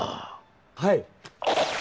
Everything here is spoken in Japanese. はい。